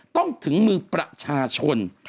ต้องถึงมือประชาชน